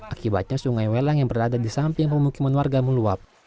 akibatnya sungai welang yang berada di samping pemukiman warga meluap